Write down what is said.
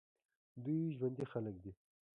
دوی ژوندي خلک دي.